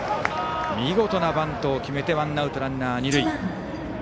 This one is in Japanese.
見事なバントを決めてワンアウトランナー、二塁。